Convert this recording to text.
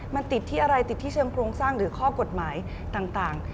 มันติดที่อะไรติดที่เชิงโครงสร้างหรือข้อกฎหมายต่าง